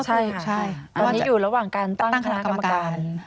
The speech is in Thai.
อันนี้อยู่ระหว่างการตั้งคณะกรรมการ